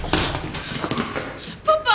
パパ！